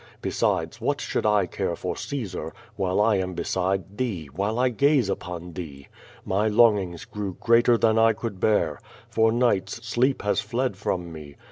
Besides, what should 1 care for Caesar, while 1 am be side thee, while 1 gaze upon thee? ily longings grew greater than I could bear. For nights sleep has fled from me.